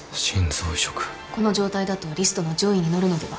この状態だとリストの上位にのるのでは。